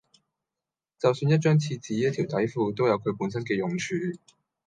就算一張廁紙、一條底褲，都有佢本身嘅用處